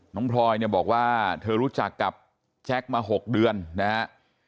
พลอยเนี่ยบอกว่าเธอรู้จักกับแจ็คมา๖เดือนนะฮะ